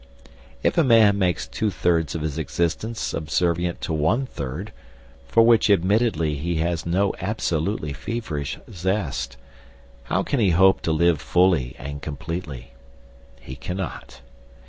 If a man makes two thirds of his existence subservient to one third, for which admittedly he has no absolutely feverish zest, how can he hope to live fully and completely? He cannot.